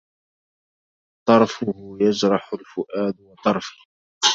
طرفه يجرح الفؤاد وطرفي